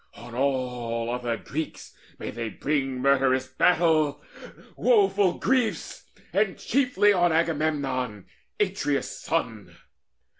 On all other Greeks May they bring murderous battle, woeful griefs, And chiefly on Agamemnon, Atreus' son!